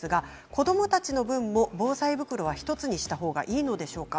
子どもたちの分も防災袋は１つにしたほうがいいんでしょうか。